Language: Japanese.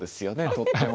とっても。